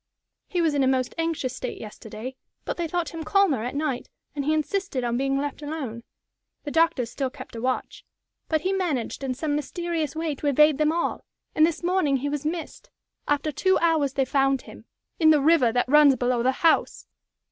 "He was in a most anxious state yesterday, but they thought him calmer at night, and he insisted on being left alone. The doctors still kept a watch, but he managed in some mysterious way to evade them all, and this morning he was missed. After two hours they found him in the river that runs below the house!"